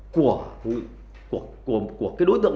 của đối tượng